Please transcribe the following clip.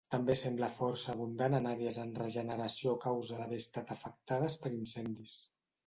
També sembla força abundant en àrees en regeneració a causa d'haver estat afectades per incendis.